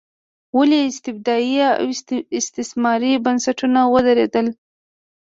ولې استبدادي او استثماري بنسټونه ودرېدل.